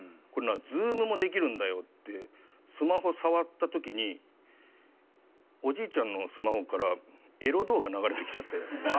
「これなズームもできるんだよ」ってスマホ触ったときにおじいちゃんのスマホからエロ動画流れてきちゃって。